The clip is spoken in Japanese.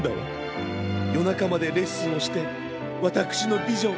よなかまでレッスンをしてわたくしのビジョン